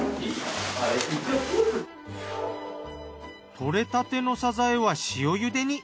獲れたてのサザエは塩茹でに。